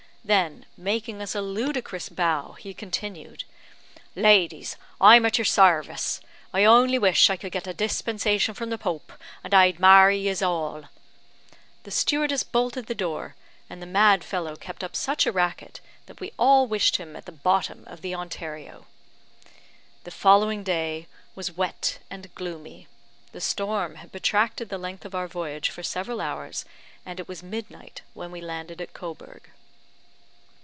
Then making us a ludicrous bow, he continued, "Ladies, I'm at yer sarvice; I only wish I could get a dispensation from the Pope, and I'd marry yeas all." The stewardess bolted the door, and the mad fellow kept up such a racket that we all wished him at the bottom of the Ontario. The following day was wet and gloomy. The storm had protracted the length of our voyage for several hours, and it was midnight when we landed at Cobourg.